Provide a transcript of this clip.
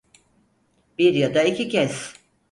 Bir ya da iki kez.